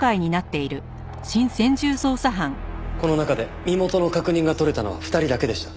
この中で身元の確認が取れたのは２人だけでした。